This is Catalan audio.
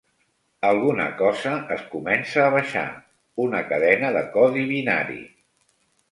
Alguna cosa es comença a baixar: una cadena de codi binari.